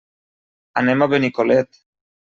Anem a Benicolet.